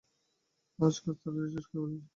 আজ কাজ তাড়াতাড়ি শেষ করে ফেলেছি।